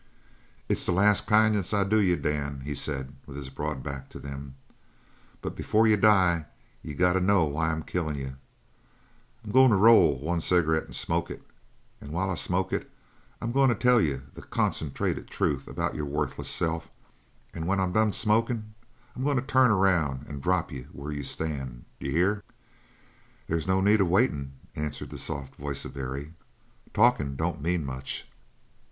"It's the last kindness I do you, Dan," he said, with his broad back to them. "But before you die you got to know why I'm killin' you. I'm going to roll one cigarette and smoke it and while I smoke it I'm goin' to tell you the concentrated truth about your worthless self and when I'm done smokin' I'm goin' to turn around and drop you where you stand. D'ye hear?" "They's no need of waitin'," answered the soft voice of Barry. "Talkin' don't mean much."